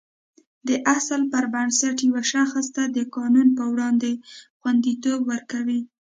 دا اصل پر بنسټ یو شخص ته د قانون په وړاندې خوندیتوب ورکوي.